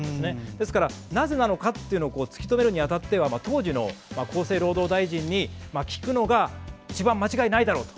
ですからなぜなのかというのを突き止めるに当たっては当時の厚生労働大臣に聞くのが一番間違いないだろうと。